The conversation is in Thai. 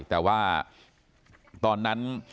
แต่ว่าตอนนั้น